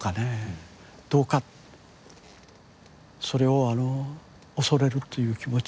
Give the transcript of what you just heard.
それを恐れるという気持ち